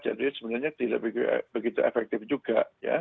jadi sebenarnya tidak begitu efektif juga